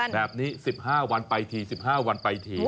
แบบนี้๑๕วันไปที๑๕วันไปที